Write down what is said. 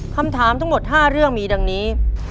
คำถามทั้งหมด๕เรื่องมีดังนี้